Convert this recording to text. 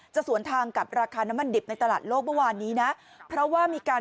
สวนทางกับราคาน้ำมันดิบในตลาดโลกเมื่อวานนี้นะเพราะว่ามีการ